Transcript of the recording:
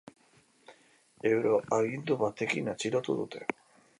Euroagindu batekin atxilotu dute.